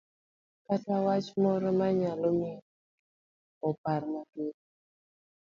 kata wach moro manyalo miyo ng'ato opar matut.